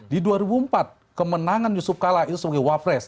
di dua ribu empat kemenangan yusuf kala itu sebagai wapres